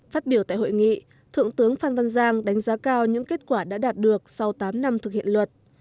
phát biểu tại hội nghị thượng tướng phan văn giang đánh giá cao những kết quả đã đạt được sau tám năm thực hiện luật